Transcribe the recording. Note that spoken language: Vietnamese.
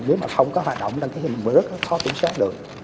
nếu mà không có hoạt động đăng ký thì mình rất là khó tổng sát được